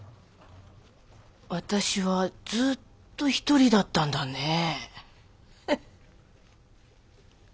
私はずっと独りだったんだねえ。